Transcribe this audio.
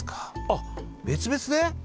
あっ別々で？